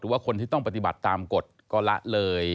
ว่าคนที่ต้องปฏิบัติตามกฎก็ละเลย